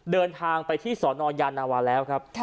เดินทางไปที่สนยานาวาแล้วครับ